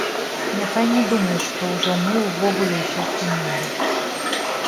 Няхай не думаюць, што ўжо мы ўвогуле ўсё спынілі.